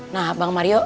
nah bang mario